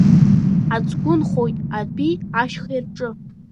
Ацгәы нхоит адәи, ашьхеи рҿы.